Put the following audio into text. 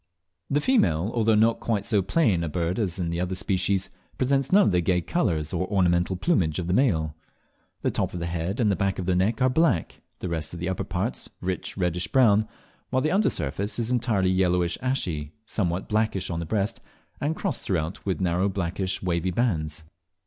The female, although not quite so plain a bird as in some other species, presents none of the gay colours or ornamental plumage of the male. The top of the head and back of the neck are black, the rest of the upper parts rich reddish brown; while the under surface is entirely yellowish ashy, somewhat blackish on the breast, and crossed throughout with narrow blackish wavy bands.